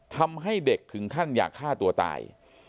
ทำให้เด็กถึงขั้นอยากฆ่าตัวตาย